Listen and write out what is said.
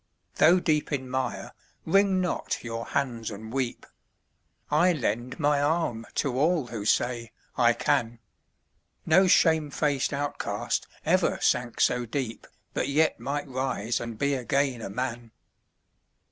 Though deep in mire, wring not your hands and weep; I lend my arm to all who say "I can!" No shame faced outcast ever sank so deep, But yet might rise and be again a man